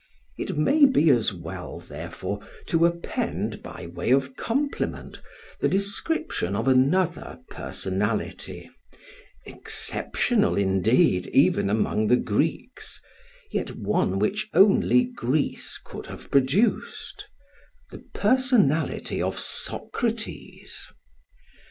It may be as well, therefore, to append by way of complement the description of another personality, exceptional indeed even among the Greeks, yet one which only Greece could have produced the personality of Socrates.